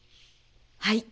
はい。